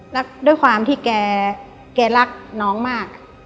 แล้วด้วยความที่แกรักน้องมาก